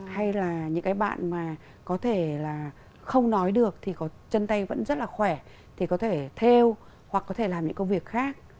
hay là những cái bạn mà có thể là không nói được thì có chân tay vẫn rất là khỏe thì có thể theo hoặc có thể làm những công việc khác